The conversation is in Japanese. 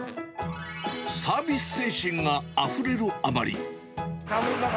サービス精神があふれるあまり。